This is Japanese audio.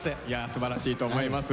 すばらしいと思います。